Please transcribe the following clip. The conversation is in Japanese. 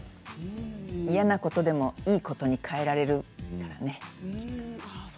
嫌なことでもいいことに変えられるからね。